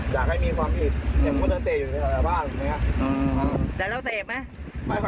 ใช่ทำต้องไปทำ